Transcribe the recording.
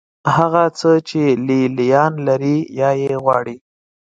هغه څه چې لې لیان لري یا یې غواړي.